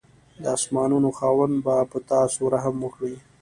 د اسمانانو خاوند به په تاسو رحم وکړي.